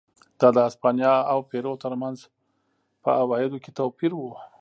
دا د هسپانیا او پیرو ترمنځ په عوایدو کې توپیر و.